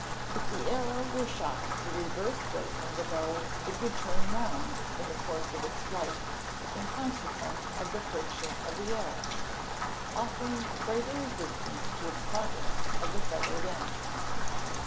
If the arrow were shot the reverse way from the bow, it would turn round, in the course of its flight, in consequence of the friction of the air, offering greater resistance to the progress of the feathered end.